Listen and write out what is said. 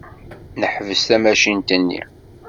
Neḥbes tamacint-nni.